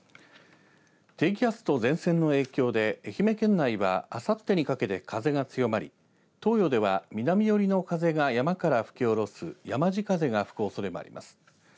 低気圧と前線の影響で愛媛県内はあさってにかけて風が強まり東予では南よりの風が山から吹き降ろすやまじ風が吹くおそれもあります。